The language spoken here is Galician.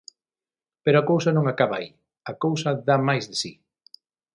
Pero a cousa non acaba aí, a cousa dá máis de si.